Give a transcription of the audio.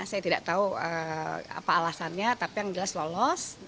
saya tidak tahu apa alasannya tapi yang jelas lolos